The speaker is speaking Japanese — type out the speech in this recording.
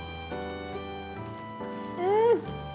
うん。